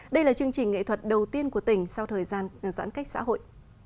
đây là chương trình nghệ thuật đầu tiên của tỉnh sau thời gian giãn cách xã hội